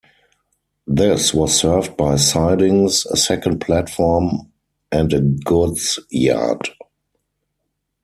This was served by sidings, a second platform and a goods yard.